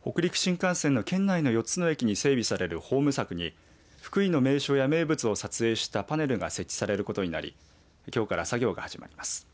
北陸新幹線の県内の４つの駅で整備されるホーム柵に福井の名所や名物を撮影したパネルが設置されることになりきょうから作業が始まります。